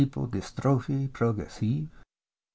ipodystrophie Progressive ?